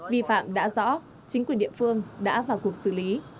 vi phạm đã rõ chính quyền địa phương đã vào cuộc xử lý